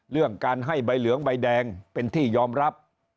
เรื่องการให้ใบเหลืองใบแดงเป็นที่ยอมรับ